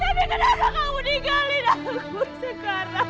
tapi kenapa kamu tinggalin aku sekarang